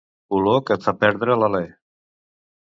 Olor que et fa perdre l'alè.